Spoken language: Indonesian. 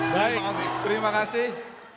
baik terima kasih